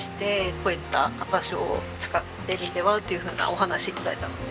こういった場所を使ってみてはっていうふうなお話を頂いたので。